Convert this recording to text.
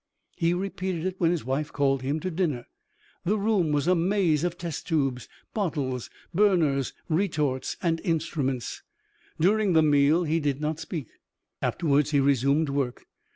He repeated it when his wife called him to dinner. The room was a maze of test tubes, bottles, burners, retorts, instruments. During the meal he did not speak. Afterwards he resumed work.